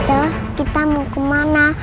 tante kita mau kemana